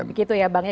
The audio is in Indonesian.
begitu ya bang